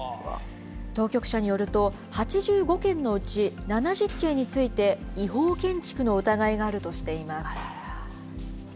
当局者によると、８５軒のうち７０軒について、違法建築の疑いがあるとしています。